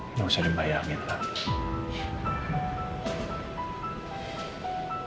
nggak usah dibayangin pak